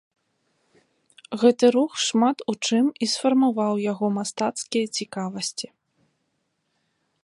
Гэты рух шмат у чым і сфармаваў яго мастацкія цікавасці.